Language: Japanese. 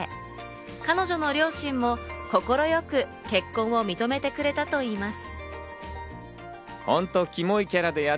彼女の両親も快く結婚を認めてくれたといいます。